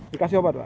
dikasih obat pak